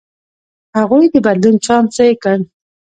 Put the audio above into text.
هغوی د بدلون چانس ضایع کړ.